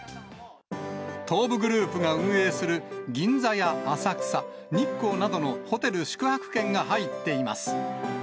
東武グループが運営する銀座や浅草、日光などのホテル宿泊券が入っています。